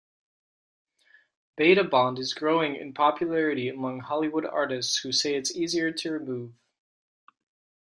BetaBond is growing in popularity among Hollywood artists who say it's easier to remove.